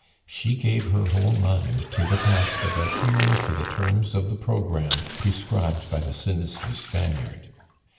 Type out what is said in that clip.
She gave her whole mind to the task of adhering to the terms of the programme prescribed by the sinister Spaniard.